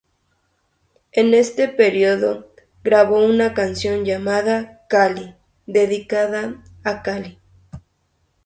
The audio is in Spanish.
En este período grabó una canción llamada "Cali", dedicada a Cali.